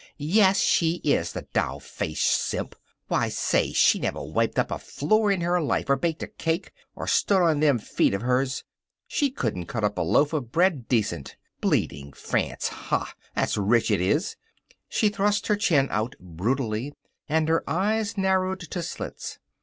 "Ya as she is, the doll faced simp! Why, say, she never wiped up a floor in her life, or baked a cake, or stood on them feet of hers. She couldn't cut up a loaf of bread decent. Bleeding France! Ha! That's rich, that is." She thrust her chin out brutally, and her eyes narrowed to slits.